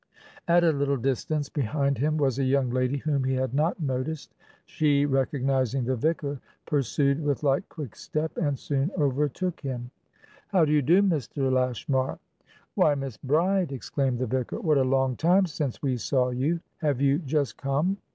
At a little distance behind him was a young lady whom he had not noticed; she, recognizing the vicar, pursued with light, quick step, and soon overtook him. "How do you do, Mr. Lashmar!" "WhyMiss Bride!" exclaimed the vicar. "What a long time since we saw you! Have you just come?"